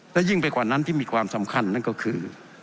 และยิ่งไปกว่านั้นที่มีความสำคัญนั่นก็คือ